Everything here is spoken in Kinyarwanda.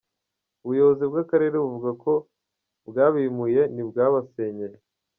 Ubuyobozi bw’akarere buvuga ko ‘bwabimuye ntibwabasenyeye’.